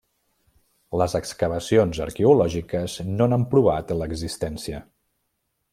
Les excavacions arqueològiques no n'han provat l'existència.